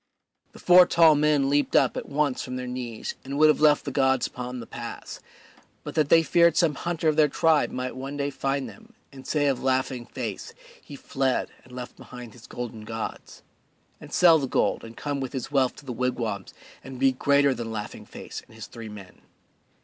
The four tall men leaped up at once from their knees and would have left the gods upon the pass but that they feared some hunter of their tribe might one day find them and say of Laughing Face, "He fled and left behind his golden gods," and sell the gold and come with his wealth to the wigwams and be greater than Laughing Face and his three men.